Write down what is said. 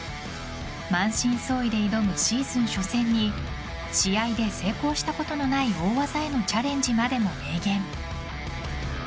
満身創痍で挑むシーズン初戦に試合で成功したことのない大技へのチャレンジまでも明言。